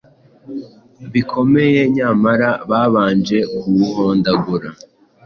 bikomeye nyamara babanje kuwuhondagura